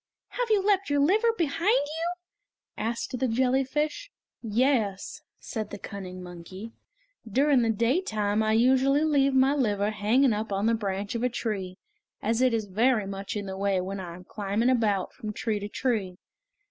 "Have you left your liver behind you?" asked the jellyfish. "Yes," said the cunning monkey, "during the daytime I usually leave my liver hanging up on the branch of a tree, as it is very much in the way when I am climbing about from tree to tree.